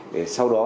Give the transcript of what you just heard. để sau đó